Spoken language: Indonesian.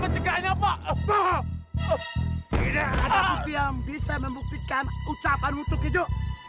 tidak ada bukti yang bisa membuktikan ucapanmu tukijo